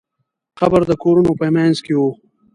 قبر د کورونو په منځ کې و.